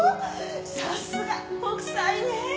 さすが北斎ね！